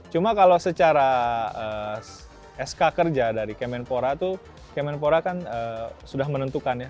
cuma kalau secara sk kerja dari kemenpora tuh kemenpora kan sudah menentukan ya